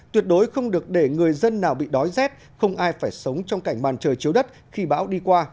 tuyệt đối không được để người dân nào bị đói rét không ai phải sống trong cảnh màn trời chiếu đất khi bão đi qua